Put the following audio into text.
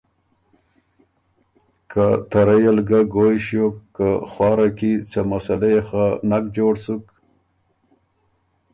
ته رئ ال ګۀ ګویٛ ݭیوک که خواره کی ”څه مسلۀ يې خه نک جوړ سُک“